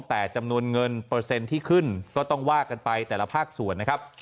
แต่จำนวนเงินเปอร์เซ็นต์ที่ขึ้นก็ต้องว่ากันไปแต่ละภาคส่วนนะครับ